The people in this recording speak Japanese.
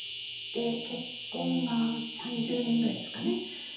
で結婚が３０年ぐらいですかね。